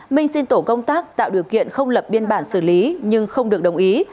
minh xin tổ công tác tạo điều kiện không lập biên bản xử lý nhưng không được đồng ý